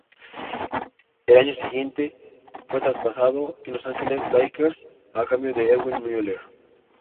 Al año siguiente fue traspasado a Los Angeles Lakers a cambio de Erwin Mueller.